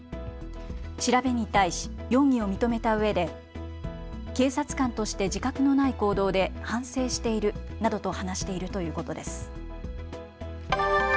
調べに対し容疑を認めたうえで警察官として自覚のない行動で反省しているなどと話しているということです。